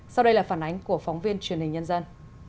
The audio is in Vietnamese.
sau đây là phản ánh của phóng viên truyền hình nhân dân